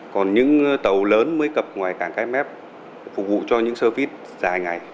còn những tàu lớn mới cập ngoài cảng cắt mép phục vụ cho những service dài ngày